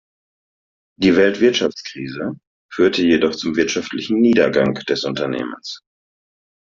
Die Weltwirtschaftskrise führte jedoch zum wirtschaftlichen Niedergang des Unternehmens.